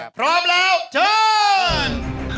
พร้อมแล้วเชิญ